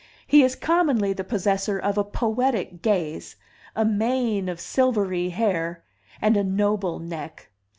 He is commonly the possessor of a poetic gaze, a mane of silvery hair, and a noble neck.